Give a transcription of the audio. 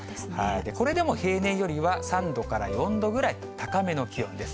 これでも平年よりは３度から４度ぐらい高めの気温です。